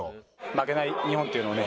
負けない日本っていうのをね